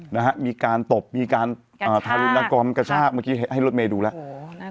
นะฮะมีการตบมีการอ่าทารุณกรรมกระชากเมื่อกี้ให้รถเมย์ดูแล้ว